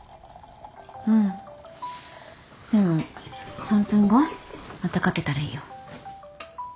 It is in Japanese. うんでも３分後またかけたらいいよ。